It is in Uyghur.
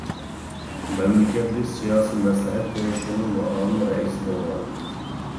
مەملىكەتلىك سىياسىي مەسلىھەت كېڭىشىنىڭ مۇئاۋىن رەئىسى بولغان.